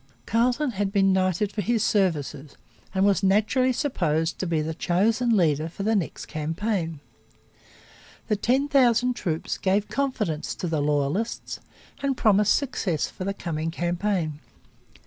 Carleton had been knighted for his services and was naturally supposed to be the chosen leader for the next campaign. The ten thousand troops gave confidence to the loyalists and promised success for the coming campaign.